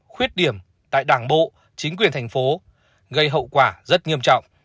khuyết điểm tại đảng bộ chính quyền thành phố gây hậu quả rất nghiêm trọng